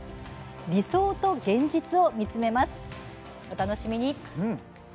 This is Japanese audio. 理想と現実を見つめます。